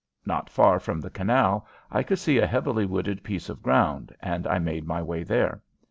Not far from the canal I could see a heavily wooded piece of ground, and I made my way there.